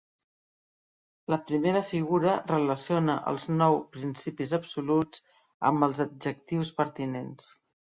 La primera figura relaciona els nou principis absoluts amb els adjectius pertinents.